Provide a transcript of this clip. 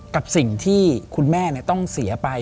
กับสิ่งที่คุณแม่ต้องเสียไป